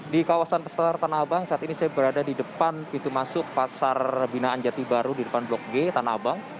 di kawasan pasar tanah abang saat ini saya berada di depan pintu masuk pasar binaan jati baru di depan blok g tanah abang